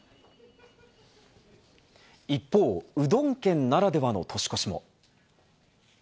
一方、うどん県ならではの年越しも。